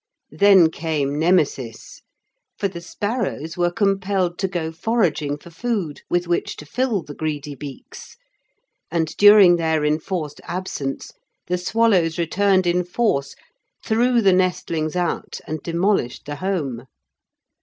Then came Nemesis, for the sparrows were compelled to go foraging for food with which to fill the greedy beaks, and during their enforced absence the swallows returned in force, threw the nestlings out, and demolished the home.